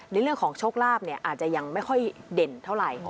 ในเรื่องของโชคลาภอาจจะยังไม่ค่อยเด่นเท่าไหร่